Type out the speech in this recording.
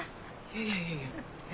いやいやいやいや。